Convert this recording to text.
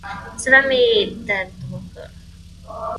زړه مې درد وکړ.